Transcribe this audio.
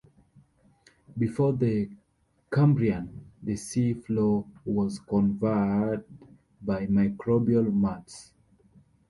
Before the Cambrian, the sea floor was covered by microbial mats.